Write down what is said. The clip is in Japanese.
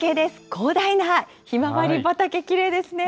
広大なひまわり畑、きれいですね。